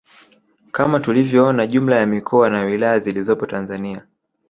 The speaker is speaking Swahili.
Kama tulivyoona jumla ya mikoa na wilaya zilizopo Tanzania